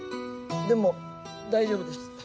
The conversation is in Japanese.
でも大丈夫です。